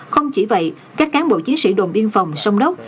không chỉ vậy các cán bộ chiến sĩ đồn biên phòng sông đốc